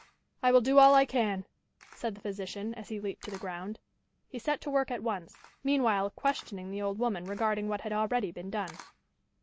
"I will do all I can," said the physician, as he leaped to the ground. He set to work at once, meanwhile questioning the old woman regarding what had already been done.